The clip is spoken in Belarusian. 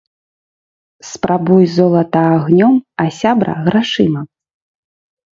Спрабуй золата агнём, а сябра - грашыма